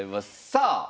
さあ！